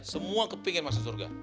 semua kepengen masuk surga